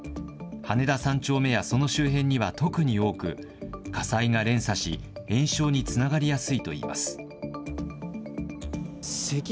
羽田３丁目やその周辺には特に多く、火災が連鎖し延焼につながりやすいといいます。